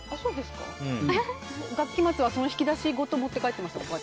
学期末はその引き出しごと持って帰っていました。